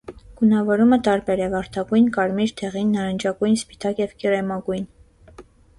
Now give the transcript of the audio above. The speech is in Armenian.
Գունավորումը տարբեր է՝ վարդագույն, կարմիր, դեղին, նարնջագույն, սպիտակ և կրեմագույն։